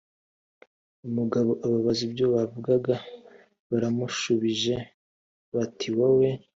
umugabo ababaza ibyo bavugaga baramushubije bati wowe